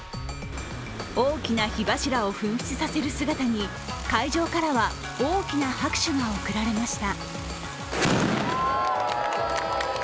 大きな火柱を噴出させる姿に会場からは大きな拍手が送られました。